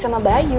aku baru terjuk